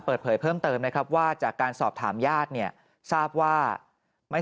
เปิดเผยเพิ่มเติมนะครับว่าจากการสอบถามญาติเนี่ยทราบว่าไม่